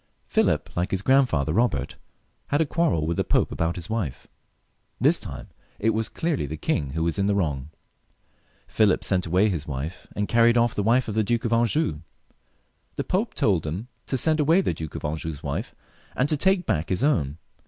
Philip, like his grandfather Bobert, had a quarrel with the Pope about his wife. This time it was clearly the king who was in the wrong. Philip sent away his wife, and xiij PHILIP L 66 ^.,:» 1 I carried off the wife of the Duke of Anjou. The Pope told him to send away the Duke of Anjou's wife and to take back his own.